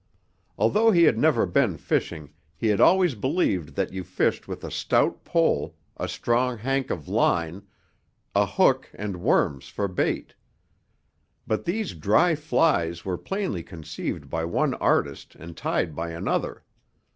Although he had never been fishing, he had always believed that you fished with a stout pole, a strong hank of line, a hook and worms for bait. But these dry flies were plainly conceived by one artist and tied by another.